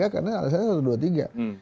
karena alasannya satu ratus dua puluh tiga